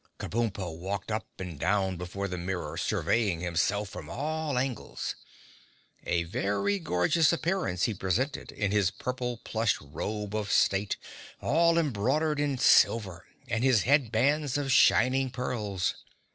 Kabumpo walked up and down before the mirror, surveying himself from all angles. A very gorgeous appearance he presented, in his purple plush robe of state, all embroidered in silver, and his head bands of shining pearls.